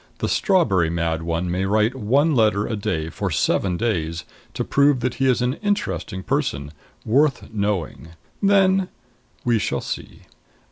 The strawberry mad one may write one letter a day for seven days to prove that he is an interesting person, worth knowing. Then we shall see.